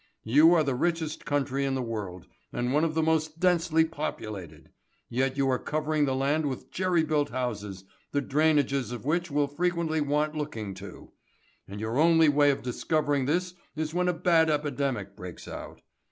You are the richest country in the world, and one of the most densely populated. Yet you are covering the land with jerry built houses, the drainages of which will frequently want looking to. And your only way of discovering this is when a bad epidemic breaks out.